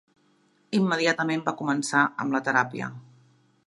Immediatament va començar amb la teràpia.